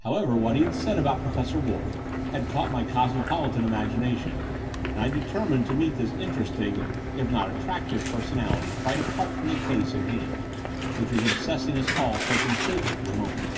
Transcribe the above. However, what he had said about Professor Wolff had caught my cosmopolitan imagination; and I determined to meet this interesting, if not attractive, personality quite apart from the case in hand, which was obsessing us all so completely for the moment.